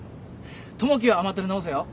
友樹は甘ったれ直せよ。